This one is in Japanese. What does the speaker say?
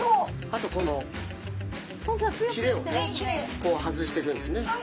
あとこのひれを外していくんですね。